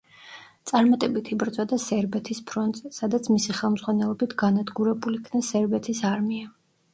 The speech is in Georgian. წარმატებით იბრძოდა სერბეთის ფრონტზე, სადაც მისი ხელმძღვანელობით განადგურებულ იქნა სერბეთის არმია.